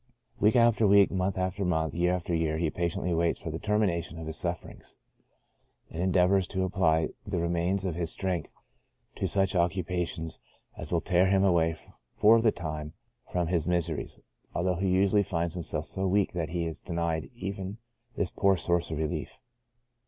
Week after week, month after month, year after year, he patiently waits for the termination of his sufferings, and endeavors to apply the remains of his strength to such occupations as will tear him away for the time from his miseries, although usually he finds himself so weak that he is denied even this poor source of relief.